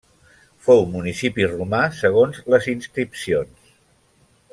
Fou municipi romà segons les inscripcions.